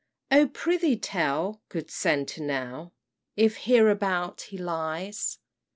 "O prithee tell, good sentinel, If hereabout he lies?